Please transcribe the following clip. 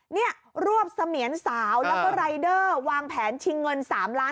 เนี่ยรวบเสมียนสาวแล้วก็รายเดอร์วางแผนชิงเงิน๓ล้าน